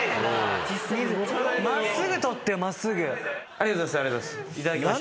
ありがとうございます。